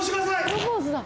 プロポーズだ。